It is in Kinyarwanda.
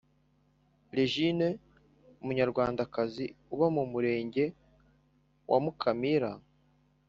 Regine umunyarwandakazi uba mu Murenge wa mukamira